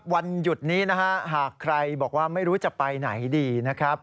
วันหยุดนี้นะฮะหากใครบอกว่าไม่รู้จะไปไหนดีนะครับ